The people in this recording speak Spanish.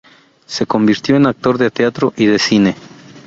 Se convirtió en actor de teatro y de cine.